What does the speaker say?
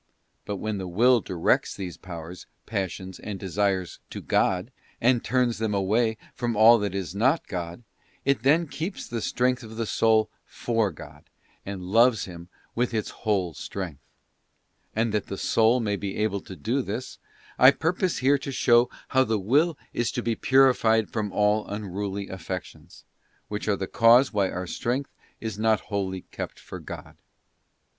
But when the Will directs these powers, passions, and desires to God, and turns them away from all that is not God, it then keeps the strength of the soul for God, and * S. James ii. 20. + Deuter. vi. 5. t Ps. lviii. 10. wo ~~ REFORMATION OF THE WILL BY CHARITY. 241 loves Him with its whole strength. And that the soul may be able to do this, I purpose here to show how the Will is to ———— be purified from all unruly affections; which are the cause why our strength is not wholly kept for God.